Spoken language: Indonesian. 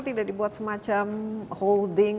tidak dibuat semacam holding